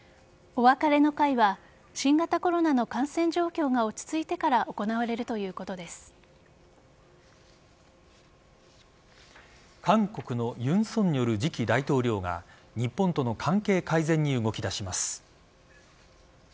お別れの会は新型コロナの感染状況が落ち着いてから韓国の尹錫悦次期大統領が日本との関係改善に動き出します。